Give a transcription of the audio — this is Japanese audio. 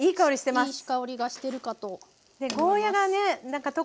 いい香りがしてるかと思います。